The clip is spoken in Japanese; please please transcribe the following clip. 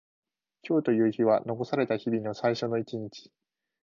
今日という日は残された日々の最初の一日。